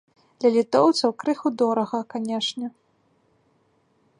Для літоўцаў крыху дорага, канечне.